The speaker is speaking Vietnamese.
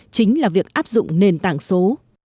chính là việc áp dụng nền tảng số